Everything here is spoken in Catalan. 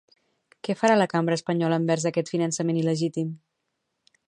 Què farà la cambra espanyola envers aquest finançament il·legítim?